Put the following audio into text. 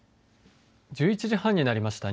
１１時半になりました。